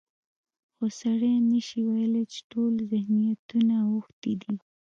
خو سړی نشي ویلی چې ټول ذهنیتونه اوښتي دي.